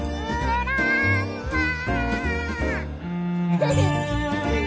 フフ。